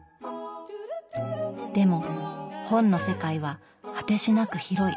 でも本の世界は果てしなく広い。